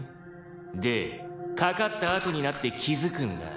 「でかかったあとになって気づくんだ」